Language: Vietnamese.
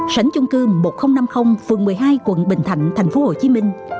sảnh chung cư một nghìn năm mươi phường một mươi hai quận bình thạnh thành phố hồ chí minh